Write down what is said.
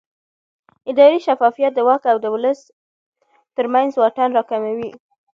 اداري شفافیت د واک او ولس ترمنځ واټن راکموي